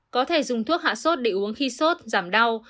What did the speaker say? có thể dùng thuốc hạ sốt để uống khi sốt giảm đau